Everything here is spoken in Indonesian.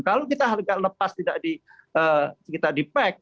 kalau kita harga lepas tidak kita di pack